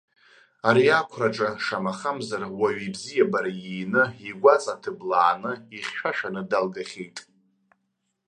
Ари ақәраҿы, шамахамзар, уаҩы ибзиабара иины, игәаҵа ҭыблааны, ихьшәашәаны далгахьеит.